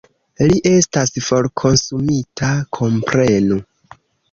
Li estas forkonsumita, komprenu!